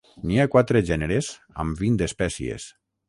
N'hi ha quatre gèneres amb vint espècies.